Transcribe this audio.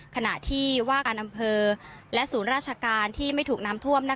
ขณะที่ว่าการอำเภอและศูนย์ราชการที่ไม่ถูกน้ำท่วม